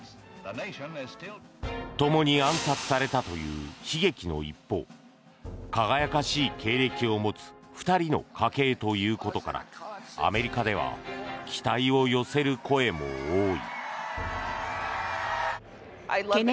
共に暗殺されたという悲劇の一方輝かしい経歴を持つ２人の家系ということからアメリカでは期待を寄せる声も多い。